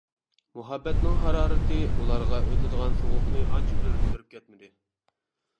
مۇھەببەتنىڭ ھارارىتى ئۇلارغا ئۆتىدىغان سوغۇقنى ئانچە بىلىندۈرۈپ كەتمىدى.